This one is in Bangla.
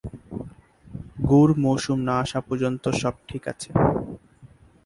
গুড় মৌসুম না আসা পর্যন্ত সব ঠিক আছে।